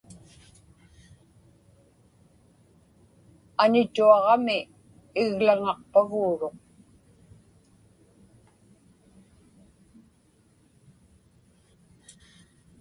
Anituaġami iglaŋaqpaguuruq.